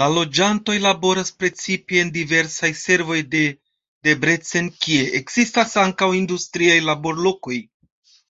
La loĝantoj laboras precipe en diversaj servoj de Debrecen, kie ekzistas ankaŭ industriaj laborlokoj.